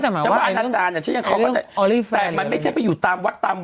ไม่แต่หมายความว่าอันอาจารย์แต่มันไม่ใช่ไปอยู่ตามวัดตามวัน